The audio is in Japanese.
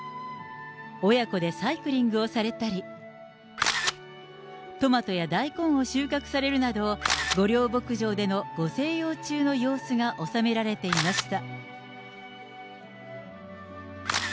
親子でサイクリングをされたり、トマトや大根を収穫されるなど、御料牧場でのご静養中の様子が収められていました。